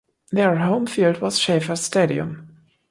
Their home field was Schaefer Stadium.